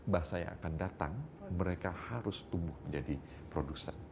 bahasa yang akan datang mereka harus tumbuh menjadi produsen